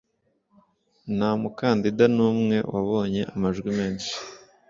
Nta mukandida n'umwe wabonye amajwi menshi.